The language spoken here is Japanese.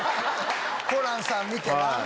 ホランさん見てな。